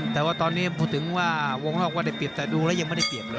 แต่ว่าตอนนี้พูดถึงว่าวงนอกว่าได้เปรียบแต่ดูแล้วยังไม่ได้เปรียบเลย